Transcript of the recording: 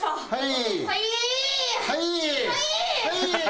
はい。